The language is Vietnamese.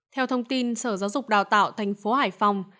theo thông tin sở giáo dục đào tạo tp hải phòng